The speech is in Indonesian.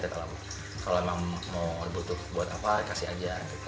kalau emang mau dibutuhkan buat apa kasih aja